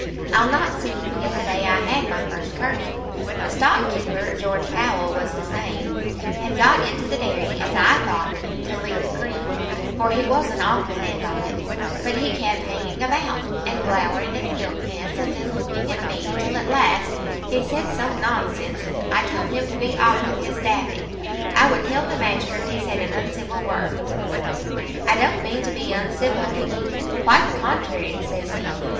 I'll not soon forget the day I had my first kirning. The stockkeeper George Powell was his name had got into the dairy, as I thought, to lick the cream, for he was an awful hand on it; but he kept hanging about, and glowering at the milk pans, and then looking at me, till at last he said some nonsense, and I told him to be off with his daffing; I would tell the master if he said an uncivil word. "'I don't mean to be uncivil, Peggy; quite the contrary,' says he.